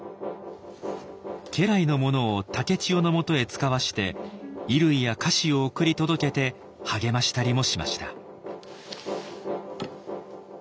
家来の者を竹千代のもとへ使わして衣類や菓子を送り届けて励ましたりもしました。